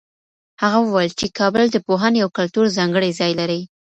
هغه وویل چي کابل د پوهنې او کلتور ځانګړی ځای دی.